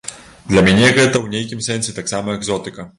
Для мяне гэта ў нейкім сэнсе таксама экзотыка.